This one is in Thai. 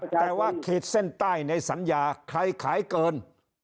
แต่ว่าขีดเส้นใต้ในสัญญาใครขายเกิน